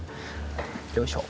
よいしょ。